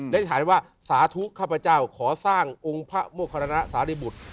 ได้ถ่ายว่าสาธุข้าพเจ้าขอสร้างองค์พระโมคาระนะสารีบุตร